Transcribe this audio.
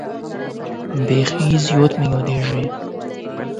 بیخي زیات مې یادېدې.